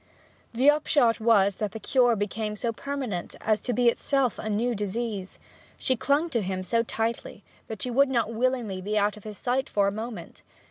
The upshot was that the cure became so permanent as to be itself a new disease. She clung to him so tightly, that she would not willingly be out of his sight for a moment.